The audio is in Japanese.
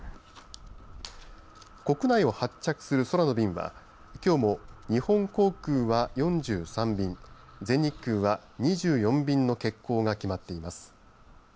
国内を発着する空の便はきょうも、日本航空は４３便全日空は２４便の欠航が決まっています。